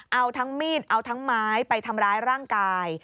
เอาทั้งมีดเอาทั้งไม้ไปทำร้ายร่างกาย